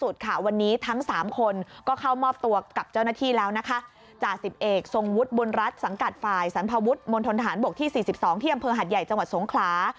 ที่อำเภอหัดใหญ่จังหวัดสงขลา